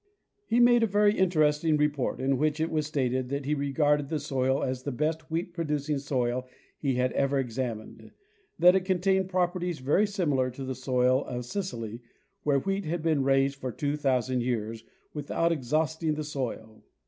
He made mea very inter esting report, in which it was stated that he regarded the soil as the best wheat producing soil he had ever examined; that it contained properties very similar to the soil of Sicily, where wheat had been raised for 2,000 years without exhausting the soil.